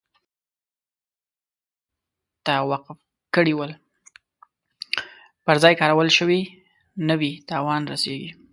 پر ځای کارول شوي نه وي تاوان رسیږي.